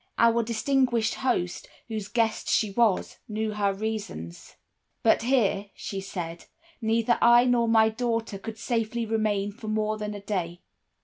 Our distinguished host, whose guest she was, knew her reasons. "'But here,' she said, 'neither I nor my daughter could safely remain for more than a day.